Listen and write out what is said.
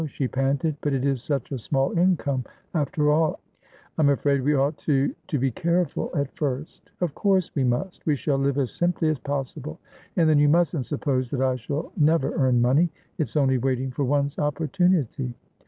she panted. "But it is such a small income, after all. I'm afraid we ought toto be careful, at first" "Of course we must. We shall live as simply as possible. And then, you mustn't suppose that I shall never earn money. It's only waiting for one's opportunity."